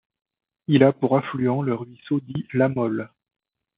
Il a pour affluent le ruisseau dit La Molle.